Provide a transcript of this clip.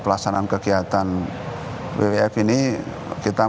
pelaksanaan kegiatan wwf ini kita